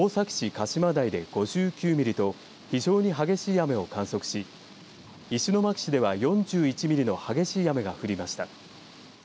鹿島台で５９ミリと非常に激しい雨を観測し石巻市では４１ミリの激しい雨が降りました。